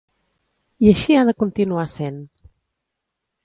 I així ha de continuar sent.